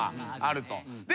で